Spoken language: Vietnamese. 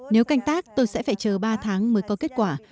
nếu canh tác tôi sẽ phải chờ ba tháng mới có kết quả